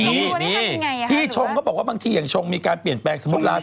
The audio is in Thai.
นี่ไงพี่ชงเขาบอกว่าบางทีอย่างชงมีการเปลี่ยนแปลงสมมุติลา